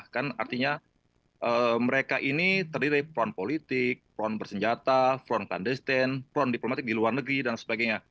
kan artinya mereka ini terdiri dari peran politik peran bersenjata front plan desten front diplomatik di luar negeri dan sebagainya